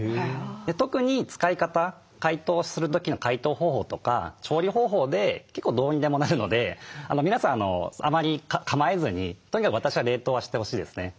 特に使い方解凍する時の解凍方法とか調理方法で結構どうにでもなるので皆さんあまり構えずにとにかく私は冷凍はしてほしいですね。